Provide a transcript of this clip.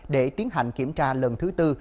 để tiến hành kiểm tra lần thứ bốn